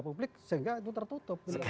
publik sehingga itu tertutup